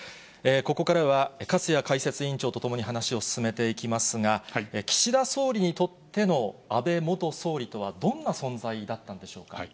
ここからは粕谷解説委員長とともに話を進めていきますが、岸田総理にとっての安倍元総理とはどんな存在だったんでしょうか。